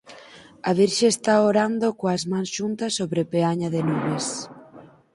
A Virxe está orando coas mans xuntas sobre peaña de nubes.